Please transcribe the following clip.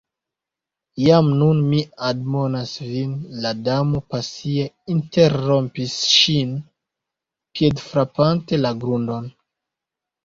"Jam nun mi admonas vin," la Damo pasie interrompis ŝin, piedfrapante la grundon